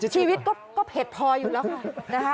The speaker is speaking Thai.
ชีวิตก็เผ็ดพออยู่แล้วค่ะนะคะ